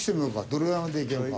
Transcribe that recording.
どれぐらいまで行けるか。